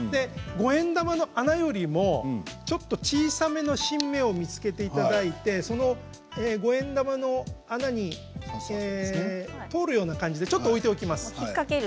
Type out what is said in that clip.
五円玉の穴よりもちょっと小さめな新芽を見つけていただいて五円玉の穴に通るような感じでちょっと置いておきます。